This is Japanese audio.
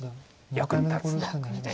役に立つと。